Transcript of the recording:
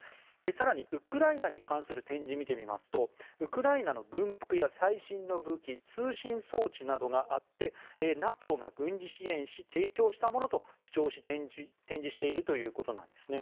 更にウクライナに関する展示を見てみますとウクライナの軍服や最新の武器通信装置などがあってＮＡＴＯが軍事支援し提供したものと主張し展示しているということです。